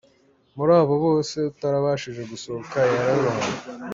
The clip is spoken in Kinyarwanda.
Muri abo bose, utarabashije gusohoka yararohamye.